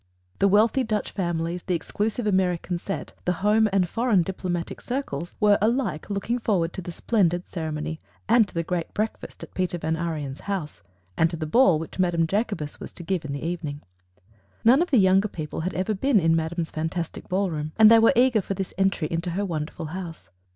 The wealthy Dutch families, the exclusive American set, the home and foreign diplomatic circles, were alike looking forward to the splendid ceremony, and to the great breakfast at Peter Van Ariens' house, and to the ball which Madame Jacobus was to give in the evening. None of the younger people had ever been in madame's fantastic ballroom, and they were eager for this entry into her wonderful house.